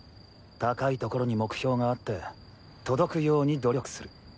高いところに目標があって届くように努力する。